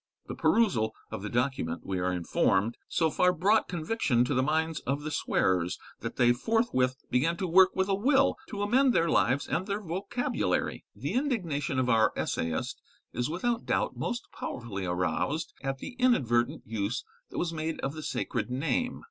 The perusal of the document, we are informed, so far brought conviction to the minds of the swearers, that they forthwith began to work with a will to amend their lives and their vocabulary. The indignation of our essayist is without doubt most powerfully aroused at the inadvertent use that was made of the sacred name.